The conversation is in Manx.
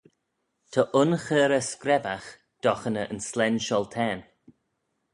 Ta un cheyrrey screbbagh doghaney yn slane shioltane